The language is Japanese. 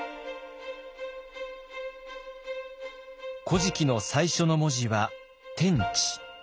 「古事記」の最初の文字は「天地」。